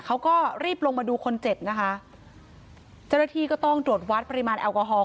เขาก็รีบลงมาดูคนเจ็บนะคะเจ้าหน้าที่ก็ต้องตรวจวัดปริมาณแอลกอฮอล